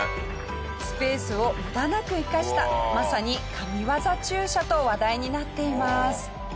スペースを無駄なく生かしたまさに神ワザ駐車と話題になっています。